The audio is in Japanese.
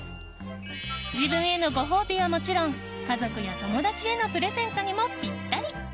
自分へのご褒美はもちろん家族や友達へのプレゼントにもぴったり。